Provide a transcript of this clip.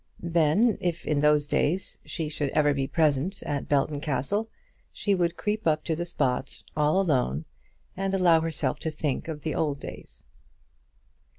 Then, if in those days she should ever be present at Belton Castle, she would creep up to the spot all alone, and allow herself to think of the old days.